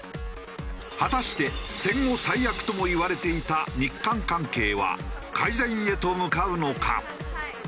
果たして戦後最悪ともいわれていた日韓関係は改善へと向かうのか？